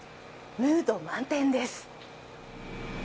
ムード満点です。